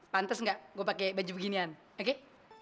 pantas nggak gue pakai baju beginian oke